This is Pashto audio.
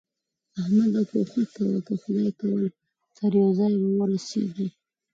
احمده! کوښښ کوه؛ که خدای کول تر يوه ځايه به ورسېږې.